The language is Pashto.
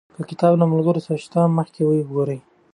که کتاب له ملګرو سره شته وي، مخکې یې وګورئ.